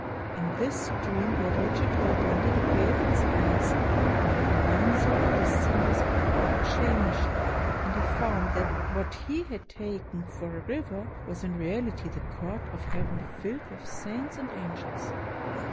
In this stream Beatrice told Dante to bathe his eyes, and, having done so, the scene was quite changed, and he found that what he had taken for a river was in reality the Court of Heaven filled with saints and angels.